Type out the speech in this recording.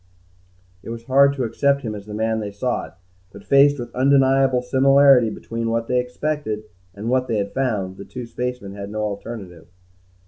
It was hard to accept him as the man they sought, but, faced with undeniable similarity between what they expected and what they had found, the two spacemen had no alternative.